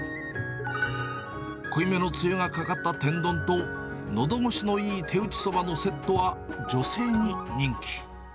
濃いめのつゆがかかった天丼とのどごしのいい手打ちそばのセットは、女性に人気。